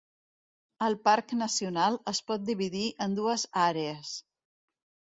El parc nacional es pot dividir en dues àrees.